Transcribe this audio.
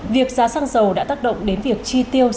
việc giá xăng dầu đã tác động đến việc chi tiêu